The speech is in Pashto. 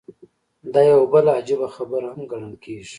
دا يوه بله عجيبه خبره هم ګڼل کېږي.